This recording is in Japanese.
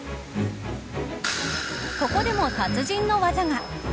ここでも達人の技が。